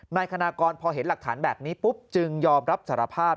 นายคณากรพอเห็นหลักฐานแบบนี้ปุ๊บจึงยอมรับสารภาพ